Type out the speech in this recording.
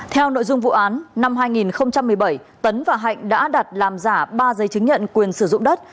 theo nội dung vụ án năm hai nghìn một mươi bảy tấn và hạnh đã đặt làm giả ba giấy chứng nhận quyền sử dụng đất